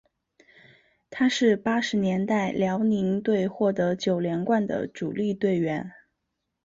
他是八十年代辽宁队获得九连冠的主力队员。